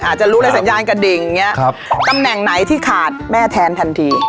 อาจจะรู้เลยสัญญาณกระดิ่งอย่างนี้ตำแหน่งไหนที่ขาดแม่แทนทันที